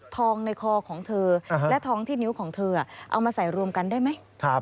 ทองในคอของเธอและทองที่นิ้วของเธอเอามาใส่รวมกันได้ไหม